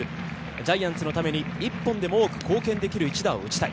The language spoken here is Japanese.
ジャイアンツのために一本でも多く貢献できる一打を打ちたい。